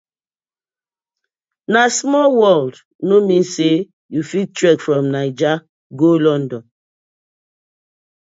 Na small world no mean say you fit trek from Naija go London: